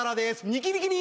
ニキニキニ。